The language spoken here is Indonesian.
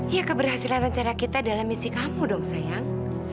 ya keberhasilan rencana kita dalam misi kamu dong sayang